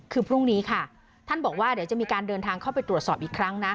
คือพรุ่งนี้ค่ะท่านบอกว่าเดี๋ยวจะมีการเดินทางเข้าไปตรวจสอบอีกครั้งนะ